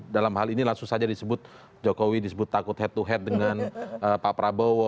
dalam hal ini langsung saja disebut jokowi disebut takut head to head dengan pak prabowo